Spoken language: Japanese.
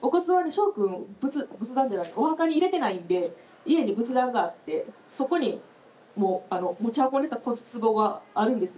しょうくんお墓に入れてないんで家に仏壇があってそこに持ち運んでた骨壺があるんですよ。